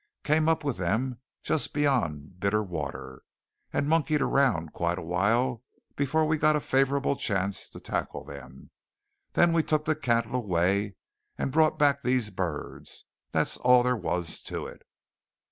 Came up with them just beyond Bitter Water, and monkeyed around quite a while before we got a favourable chance to tackle them. Then we took the cattle away and brought back these birds. That's all there was to it."